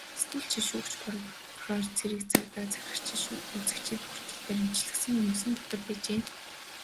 Сэтгүүлчид, шүүгч, прокурор, цэрэг цагдаа, захирагчид, жүжигчид хүртэл баривчлагдсан хүмүүсийн дотор байжээ.